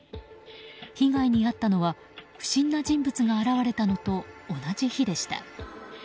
被害に遭ったのは不審な人物が現れたのと同じ日でした。